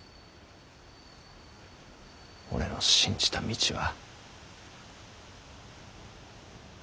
俺の信じた道は。